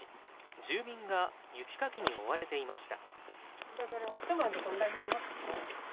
住民が雪かきに追われていました。